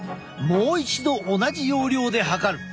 もう一度同じ要領で測る。